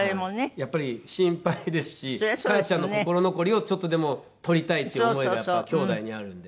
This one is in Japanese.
やっぱり心配ですし母ちゃんの心残りをちょっとでも取りたいっていう思いが兄弟にあるんで。